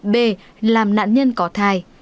b làm nạn nhân có thai